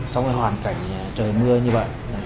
trong hoàn cảnh trời mưa như vậy